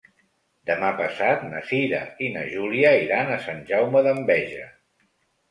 Demà passat na Cira i na Júlia iran a Sant Jaume d'Enveja.